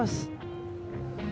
bisa gak tau bos